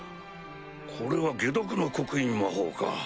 これは解毒の刻印魔法か？